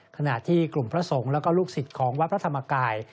ขณะที่กลุ่มพระสงฆ์แล้วก็ลูกศิษย์ของวัดพระธรรมกาย